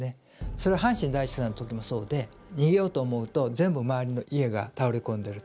それは阪神大震災の時もそうで逃げようと思うと全部周りの家が倒れ込んでると。